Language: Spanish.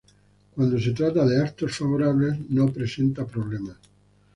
Cuando se trata de actos favorables no presenta problemas.